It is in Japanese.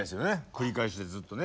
繰り返しでずっとね